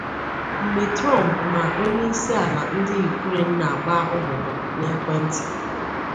mgbe Trump na onye isi ala ndị Yukren na-akpa ụbụbọ n'ekwe ntị